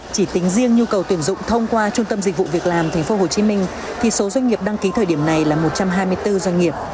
chỉ tính riêng nhu cầu tuyển dụng thông qua trung tâm dịch vụ việc làm tp hcm thì số doanh nghiệp đăng ký thời điểm này là một trăm hai mươi bốn doanh nghiệp